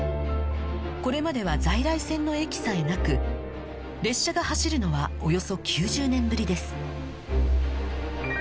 これまでは在来線の駅さえなく列車が走るのはおよそ９０年ぶりです